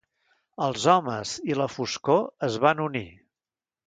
Els homes i la foscor es van unir.